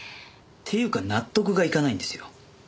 っていうか納得がいかないんですよ。